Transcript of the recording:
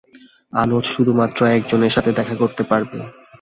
আনোচ শুধুমাত্র একজনের সাথে দেখা করতে পারবে।